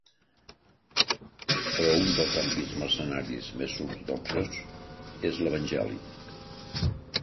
Però un dels àmbits mercenaris més ortodoxos és l'evangèlic.